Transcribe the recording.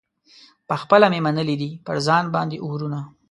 پخپله مي منلي دي پر ځان باندي اورونه